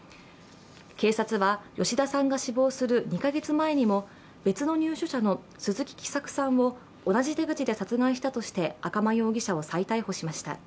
警察は吉田さんが死亡する２カ月前にも別の入所者の鈴木喜作さんを同じ手口で殺害したとして赤間容疑者を再逮捕しました。